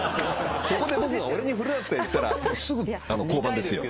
そこで僕が俺に振るなって言ったらすぐ降板ですよ。